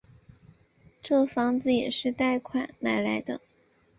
这房子也是贷款买来的